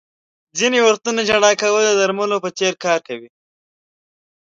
• ځینې وختونه ژړا کول د درملو په څېر کار کوي.